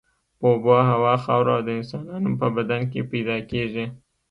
په اوبو، هوا، خاورو او د انسانانو په بدن کې پیدا کیږي.